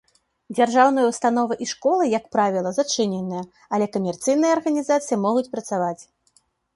Дзяржаўныя ўстановы і школы, як правіла, зачыненыя, але камерцыйныя арганізацыі могуць працаваць.